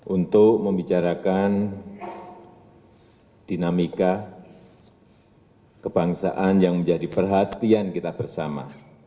untuk membicarakan dinamika kebangsaan yang menjadi perhatian kita bersama